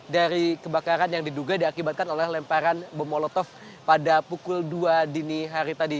dari kebakaran yang diduga diakibatkan oleh lemparan bom molotov pada pukul dua dini hari tadi